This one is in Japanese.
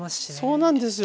そうなんですよ。